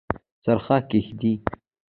څرخه کښیږدي